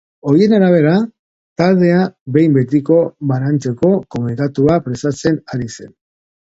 Horien arabera, taldea behin betiko banantzeko komunikatua prestatzen ari zen.